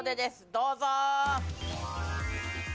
どうぞ。